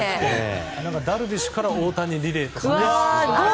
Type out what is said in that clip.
ダルビッシュから大谷リレーとかね。